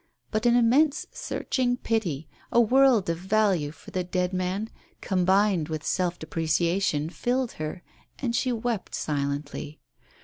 But an immense, searching pity, a world of value for the dead man, combined with self depreciation, filled her, and she wept silently.